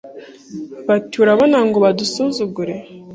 Bati Urabona ngo badusuzugure